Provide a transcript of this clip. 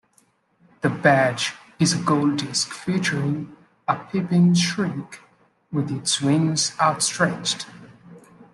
The badge is a gold disc featuring a piping shrike with its wings outstretched.